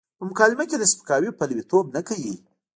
په مکالمه کې د سپکاوي پلويتوب نه کوي.